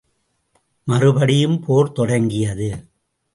மறுபடியும் போர் தொடங்கியது.